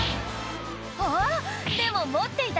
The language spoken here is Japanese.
あっでも持っていた